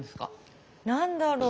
何だろう？